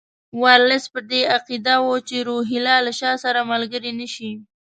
ورلسټ په دې عقیده وو چې روهیله له شاه سره ملګري نه شي.